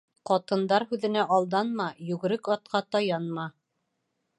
Ҡатындар һүҙенә алданма, йүгерек атҡа таянма.